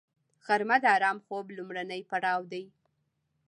غرمه د آرام خوب لومړنی پړاو دی